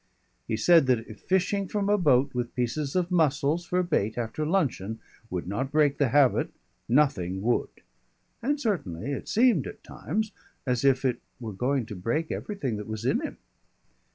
He said that if fishing from a boat with pieces of mussels for bait after luncheon would not break the habit nothing would, and certainly it seemed at times as if it were going to break everything that was in him.